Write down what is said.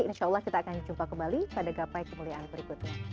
insya allah kita akan jumpa kembali pada gapai kemuliaan berikutnya